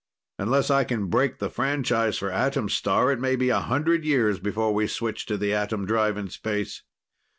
Unless I can break the franchise for Atom Star, it may be a hundred years before we switch to the atom drive in space."